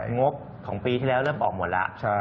งบของปีที่แล้วเริ่มออกหมดแล้ว